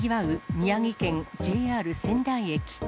宮城県ＪＲ仙台駅。